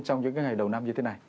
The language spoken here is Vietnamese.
trong những ngày đầu năm như thế này